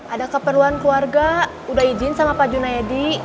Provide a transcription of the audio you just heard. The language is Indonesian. ada keperluan keluarga udah izin sama pak juna ya di